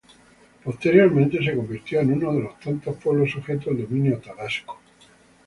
Posteriormente se convirtió en uno de los tantos pueblos sujetos al dominio tarasco.